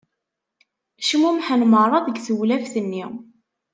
Cmummḥen merra deg tewlaft-nni.